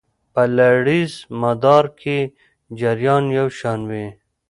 په لړیز مدار کې جریان یو شان وي.